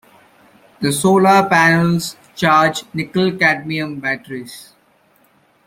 The solar panels charged nickel-cadmium batteries.